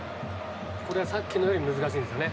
これはさっきより難しいですね。